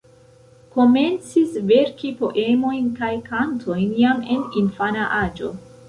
Komencis verki poemojn kaj kantojn jam en infana aĝo.